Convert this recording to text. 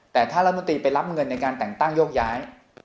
แต่ถ้ารัฐมนตรีไปรับเงินในการแต่งตั้งโยกย้าย